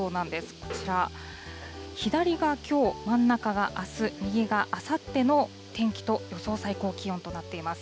こちら、左がきょう、真ん中があす、右があさっての天気と予想最高気温となっています。